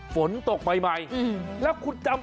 ฝนตกใหม่แล้วคุณจำ